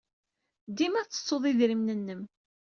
Dima tettettud idrimen-nnem.